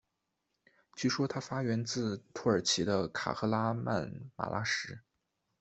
据说它发源自土耳其的卡赫拉曼马拉什。